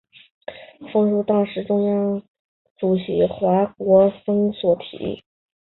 此书封面是当时中共中央主席华国锋所题。